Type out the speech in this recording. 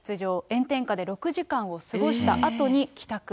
炎天下で６時間を過ごしたあとに帰宅。